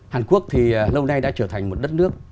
hàn quốc thì lâu nay đã trở thành một đất nước